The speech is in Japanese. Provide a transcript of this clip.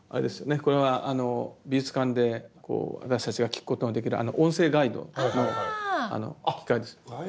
これはあの美術館で私たちが聴くことのできるあの音声ガイドの機械です。